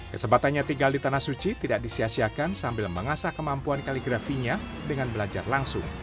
kesempatannya tinggal di tanah suci tidak disiasiakan sambil mengasah kemampuan kaligrafinya dengan belajar langsung